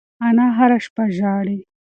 انا هره شپه ژاړي.